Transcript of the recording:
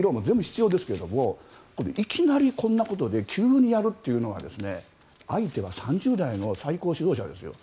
いきなりこんなことで急にやるというのは相手は３０代の最高指導者ですよ。